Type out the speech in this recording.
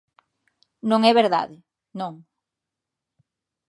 Non é verdade, non.